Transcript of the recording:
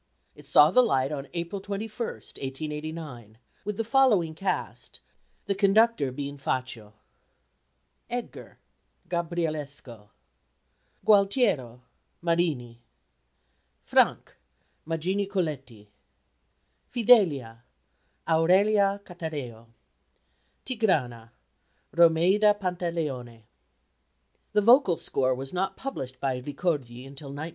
It saw the light on April 21, 1889, with the following cast, the conductor being Faccio: Edgar GABRIELESCO. Gualtiero MARINI. Frank MAGINI COLETTI. Fidelia AURELIA CATAREO. Tigrana ROMEIDA PANTALEONE. The vocal score was not published by Ricordi until 1905.